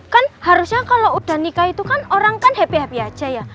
kan harusnya kalau udah nikah itu kan orang kan happy happy aja ya